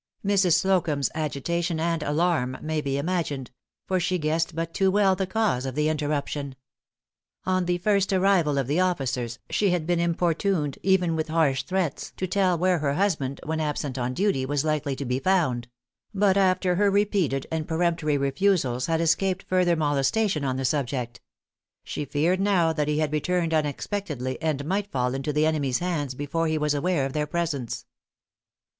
Mrs. Slocumb's agitation and alarm may be imagined; for she guessed but too well the cause of the interruption. On the first arrival of the officers she had been importuned, even with harsh threats not, however, by Tarleton to tell where her husband, when absent on duty, was likely to be found; but after her repeated and peremptory refusals, had escaped further molestation on the subject. She feared now that he had returned unexpectedly, and might fall into the enemy's hands before he was aware of their presence.